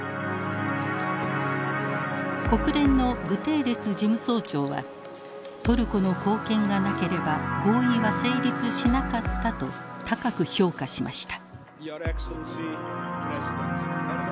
国連のグテーレス事務総長はトルコの貢献がなければ合意は成立しなかったと高く評価しました。